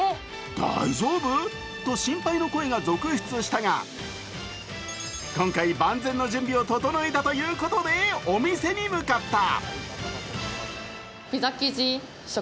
大丈夫？と心配の声が続出したが、今回、万全の準備を整えたということでお店に向かった。